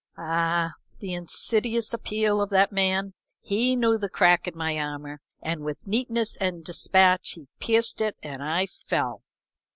Ah, the insidious appeal of that man! He knew the crack in my armor, and with neatness and despatch he pierced it, and I fell.